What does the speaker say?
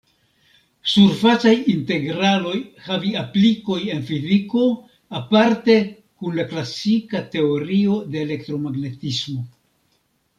Surfacaj integraloj havi aplikoj en fiziko, aparte kun la klasika teorio de elektromagnetismo.